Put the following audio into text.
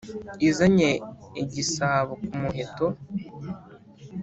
izanye gisabo ku muheto.